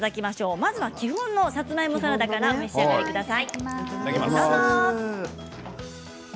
まずは基本のさつまいものサラダからお召し上がりください。